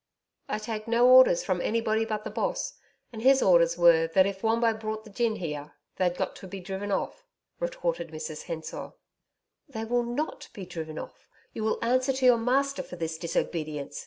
'I take no orders from anybody but the Boss, and his orders were that if Wombo brought the gin here, they'd got to be driven off,' retorted Mrs Hensor. 'They will not be driven off. You will answer to your master for this disobedience!'